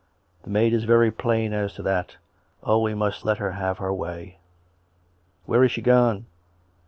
The maid is very plain as to that. ... Oh I we must let her have her way." " Where is she gone?